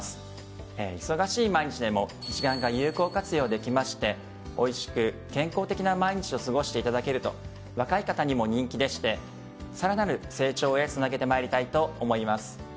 忙しい毎日でも時間が有効活用できましておいしく健康的な毎日を過ごしていただけると若い方にも人気でしてさらなる成長へつなげてまいりたいと思います。